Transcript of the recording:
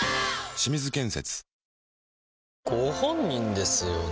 清水建設ご本人ですよね？